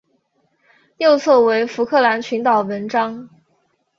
右侧为福克兰群岛纹章。